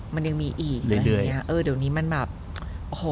เออเดี๋ยวนี้มันแบบโอ้โห